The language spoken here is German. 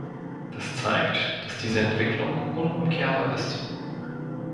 Das zeigt, dass diese Entwicklung unumkehrbar ist.